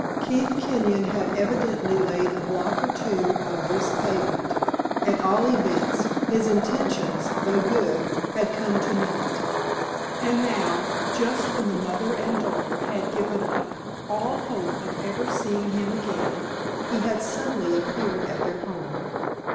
Keith Kenyon had evidently laid a block or two of this pavement; at all events, his intentions, though good, had come to naught. And now, just when the mother and daughter had given up all hope of ever seeing him again, he had suddenly appeared at their home.